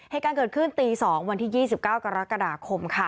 เหตุการณ์เกิดขึ้นตีสองวันที่ยี่สิบเก้ากรกฎาคมค่ะ